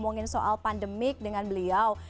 ngomongin soal pandemik dengan beliau